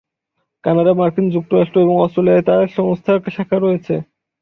Canada, মার্কিন যুক্তরাষ্ট্র এবং অস্ট্রেলিয়ায় তার সংস্থার শাখা রয়েছে।